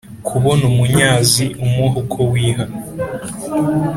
kubona umunyazi umuha uko wiha